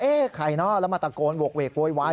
ใครเนอะแล้วมาตะโกนโหกเวกโวยวาย